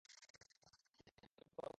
চুপ কর, আভি!